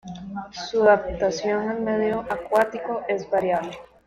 Su adaptación al medio acuático es variable.